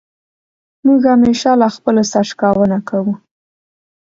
موږ همېشه له خپلو سر شکونه کوو.